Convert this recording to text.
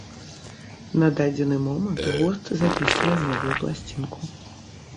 На дадзены момант гурт запісвае новую пласцінку.